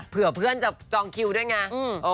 เผื่อเพื่อนจะจองคิวด้วยไง